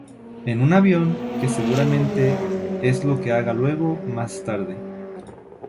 En un avión, que seguramente es lo que haga luego más tarde.